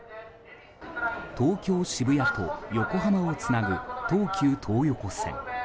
東京・渋谷と横浜をつなぐ東急東横線。